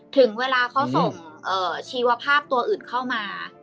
ถึงเวลาเขาส่งชีวภาพตัวอื่นเข้ามา